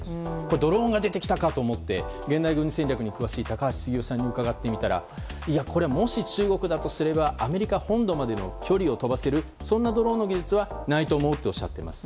ドローンが出てきたかと思って現代軍事戦略に詳しい高橋杉雄さんに伺ってみたらもし、中国だとすればアメリカ本土までの距離を飛ばせる、そんなドローンの技術はないとおっしゃっています。